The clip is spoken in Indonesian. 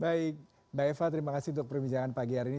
baik mbak eva terima kasih untuk perbincangan pagi hari ini